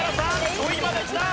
５位まできた。